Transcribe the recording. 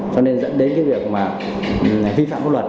cho nên dẫn đến cái việc mà vi phạm pháp luật